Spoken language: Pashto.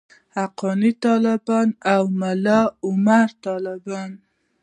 حقاني طالبان او ملاعمر طالبان.